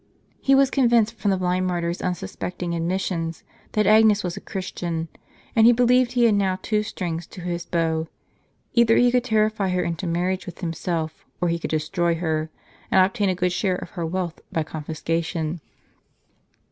He was convinced from the blind martyr's unsuspecting admissions, that Agnes was a Christian, and he believed he had now two strings to his bow ; eitlier he could terrify her into marriage with himself, or he could destroy her, and obtain a good share of her wealth by confiscation.